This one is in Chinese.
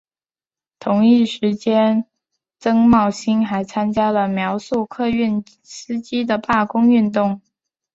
同一时期曾茂兴还参加了苗栗客运司机的罢工运动。